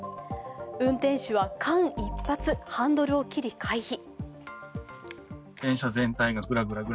運転手は間一髪、ハンドルを切り回避。